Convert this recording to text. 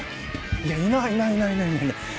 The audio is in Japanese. いやいないいないいないいない。